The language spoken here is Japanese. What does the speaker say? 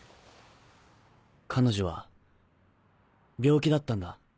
彼女は病気だったんだ。